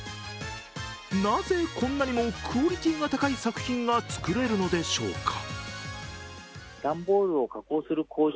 なぜこんなにもクオリティーが高い作品が作れるのでしょうか。